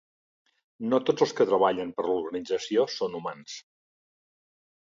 No tots els que treballen per l'organització són humans.